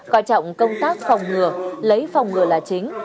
coi trọng công tác phòng ngừa lấy phòng ngừa là chính